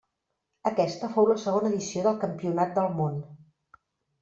Aquesta fou la segona edició del Campionat del Món.